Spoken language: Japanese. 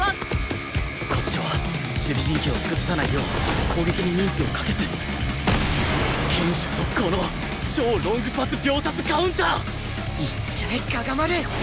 こっちは守備陣形を崩さないよう攻撃に人数をかけず堅守速攻の超ロングパス秒殺カウンター！いっちゃえ我牙丸！